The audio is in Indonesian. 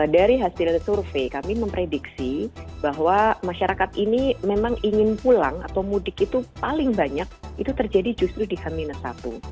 dari hasil survei kami memprediksi bahwa masyarakat ini memang ingin pulang atau mudik itu paling banyak itu terjadi justru di h satu